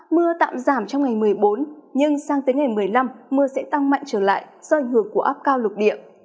mưa tạm giảm trong ngày một mươi bốn nhưng sang tới ngày một mươi năm mưa sẽ tăng mạnh trở lại do ảnh hưởng của áp cao lục địa